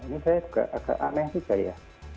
ini saya juga agak aneh juga ya